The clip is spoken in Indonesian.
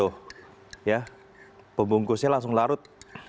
tuh ya pembungkusnya langsung larut